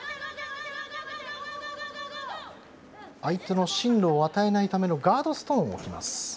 相手に進路を与えないためのガードストーンを置きます。